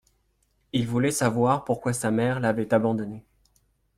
Il voulait savoir pourquoi sa mère l'avait abandonné.